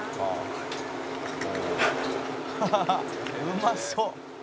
「うまそう！」